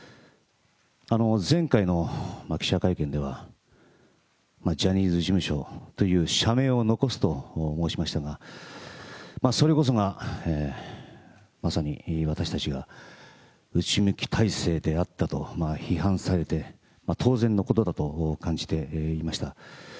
前回の記者会見では、ジャニーズ事務所という社名を残すと申しましたが、それこそがまさに私たちが内向き体制であったと批判されて当然のことだと感じていました。